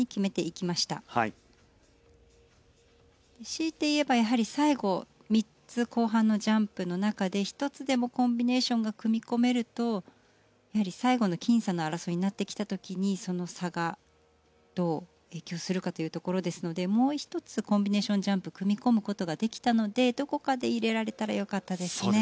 強いて言えばやはり最後３つ後半のジャンプの中で１つでもコンビネーションが組み込めるとやはり最後の僅差の争いになってきた時にその差がどう影響するかというところですのでもう１つコンビネーションジャンプ組み込む事ができたのでどこかで入れられたらよかったですね。